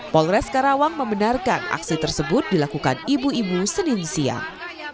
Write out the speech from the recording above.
polres karawang membenarkan aksi tersebut dilakukan ibu ibu senin siang